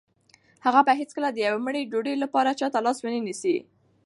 هغه به هیڅکله د یوې مړۍ ډوډۍ لپاره چا ته لاس ونه نیسي.